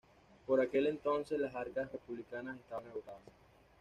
Por aquel entonces, las arcas republicanas estaban agotadas.